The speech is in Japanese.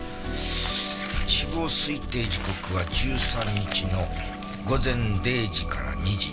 死亡推定時刻は１３日の午前０時から２時。